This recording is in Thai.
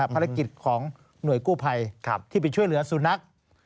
ภารกิจของหน่วยกู้ภัยที่ไปช่วยเหลือสุนัข